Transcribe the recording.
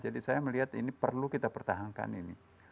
jadi saya melihat ini perlu kita pertahankan ini